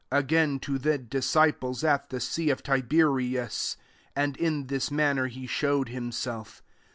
t 198 JOHN XXL again to the disciples at the sea t>f Tiberias : and in this man ner he showed himaelf.